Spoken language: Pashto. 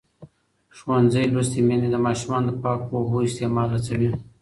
ښوونځې لوستې میندې د ماشومانو د پاکو اوبو استعمال هڅوي.